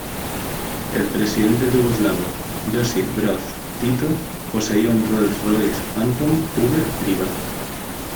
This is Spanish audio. El presidente yugoslavo Josip Broz Tito poseía un Rolls-Royce Phantom V privado.